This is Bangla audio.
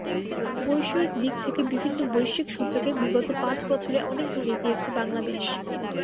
বৈষয়িক দিক থেকে বিভিন্ন বৈশ্বিক সূচকে বিগত পাঁচ বছরে অনেক দূর এগিয়েছে বাংলাদেশ।